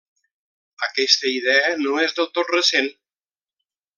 Aquesta idea no és del tot recent.